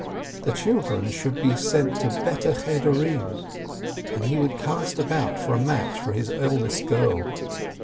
The children should be sent to better Chedorim, and he would cast about for a match for his eldest girl.